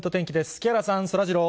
木原さん、そらジロー。